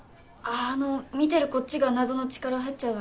あの見てるこっちが謎の力入っちゃうあれですね。